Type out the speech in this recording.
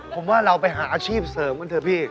ผมว่าเราไปหาอาชีพเสริมกันเถอะพี่